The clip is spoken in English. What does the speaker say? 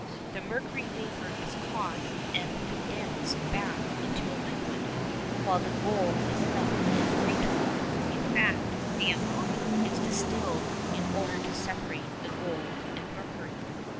The mercury vapour is caught and condensed back into a liquid, while the gold is left in the retort. In fact the amalgam is distilled in order to separate the gold and mercury.